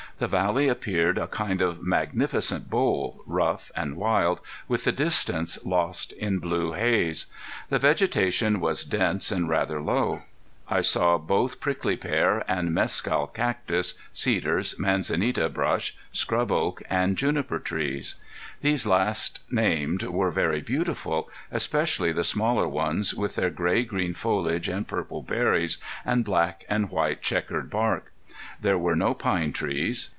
The valley appeared a kind of magnificent bowl, rough and wild, with the distance lost in blue haze. The vegetation was dense and rather low. I saw both prickly pear and mescal cactus, cedars, manzanita brush, scrub oak, and juniper trees. These last named were very beautiful, especially the smaller ones, with their gray green foliage, and purple berries, and black and white checkered bark. There were no pine trees.